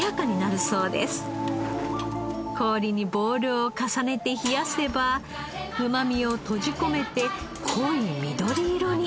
氷にボウルを重ねて冷やせばうまみを閉じ込めて濃い緑色に。